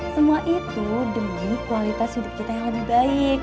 semua itu demi kualitas hidup kita yang lebih baik